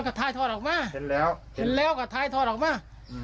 กะท้ายโทดอกมาแสนแล้วกระท้ายโทดอกมา